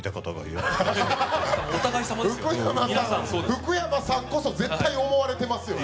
福山さんこそ絶対思われてますよね